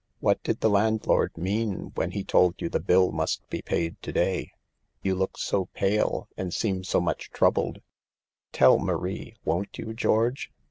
What did the landlord mean when he told you the bill must be paid to day? You look so pale and seem so much troubled; tell Marie, won't you, George